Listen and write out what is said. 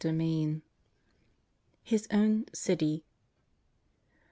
XXIL HIS OWN CITY.